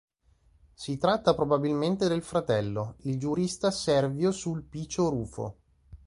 Si tratta probabilmente del fratello, il giurista Servio Sulpicio Rufo.